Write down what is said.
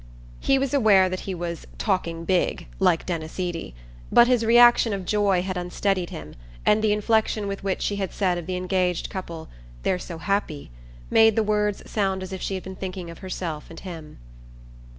He was aware that he was "talking big," like Denis Eady; but his reaction of joy had unsteadied him, and the inflection with which she had said of the engaged couple "They're so happy!" made the words sound as if she had been thinking of herself and him.